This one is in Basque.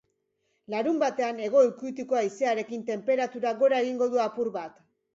Larunbatean, hego ukituko haizearekin tenperaturak gora egingo du apur bat.